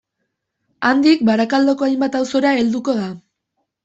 Handik Barakaldoko hainbat auzora helduko da.